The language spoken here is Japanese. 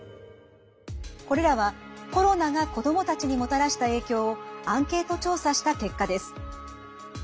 これらはコロナが子どもたちにもたらした影響をアンケート調査した結果です。